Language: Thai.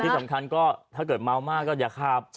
สำคัญก็ถ้าเกิดเมามากก็อย่าขับ